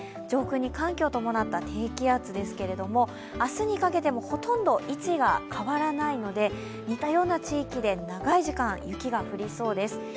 上空に寒気を伴った低気圧ですが明日にかけてもほとんど位置が変わらないので似たような地域で長い時間、雪が降りそうです。